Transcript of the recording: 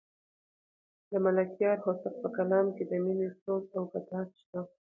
د ملکیار هوتک په کلام کې د مینې سوز او ګداز شته.